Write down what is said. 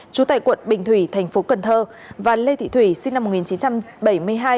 trú tại quận bình thủy thành phố cần thơ và lê thị thủy sinh năm một nghìn chín trăm bảy mươi hai